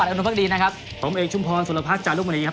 คุณผู้ชมเอกชุมพรสุรพักษณ์จารุกมณีครับ